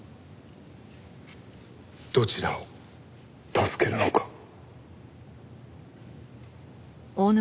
どちらを助けるのか。